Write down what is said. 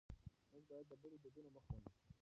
موږ باید د بدو دودونو مخه ونیسو.